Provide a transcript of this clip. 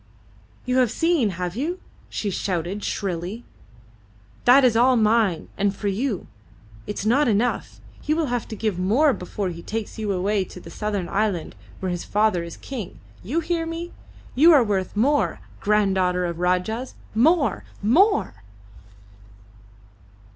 "You have seen. Have you?" she shouted, shrilly. "That is all mine, and for you. It is not enough! He will have to give more before he takes you away to the southern island where his father is king. You hear me? You are worth more, granddaughter of Rajahs! More! More!"